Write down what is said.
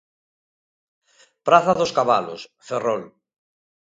Praza dos Cabalos, Ferrol.